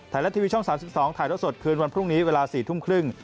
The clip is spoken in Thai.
ไทยรัฐทีวีช่อง๓๒ถ่ายแล้วสดคืนวันพรุ่งนี้เวลา๔ทุ่มครึ่ง